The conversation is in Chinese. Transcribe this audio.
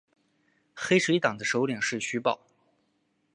黑水党的首领是徐保。